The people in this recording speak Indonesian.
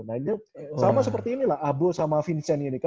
nah ini sama seperti inilah abu sama vincent ini kan podcast berdua